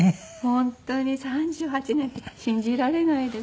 本当に３８年って信じられないです。